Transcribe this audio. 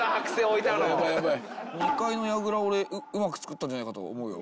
２階の櫓俺うまく作ったんじゃないかと思うよ。